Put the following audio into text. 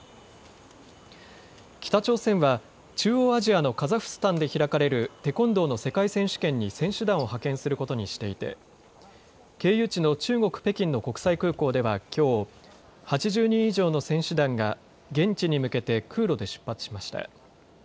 北朝鮮は中央アジアのカザフスタンで開かれるテコンドーの世界選手権に選手団を派遣することにしていて経由地の中国・北京の国際空港ではきょう、８０人以上の選手団が現地に向けて空路で出発しました。